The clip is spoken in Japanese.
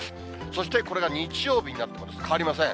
そしてこれが日曜日になっても変わりません。